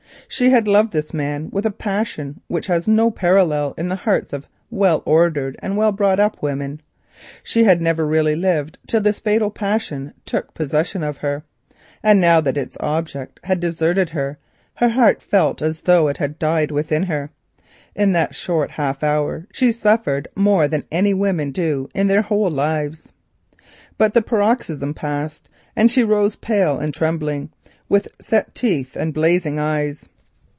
She had loved this man with a love which has no parallel in the hearts of well ordered and well brought up women. She never really lived till this fatal passion took possession of her, and now that its object had deserted her, her heart felt as though it was dead within her. In that short half hour she suffered more than many women do in their whole lives. But the paroxysm passed, and she rose pale and trembling, with set teeth and blazing eyes.